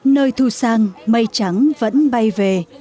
nơi thu sang mây trắng vẫn bay về